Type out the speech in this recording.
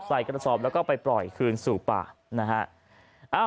กระสอบแล้วก็ไปปล่อยคืนสู่ป่านะฮะ